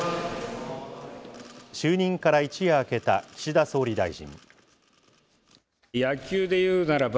就任から一夜明けた岸田総理大臣。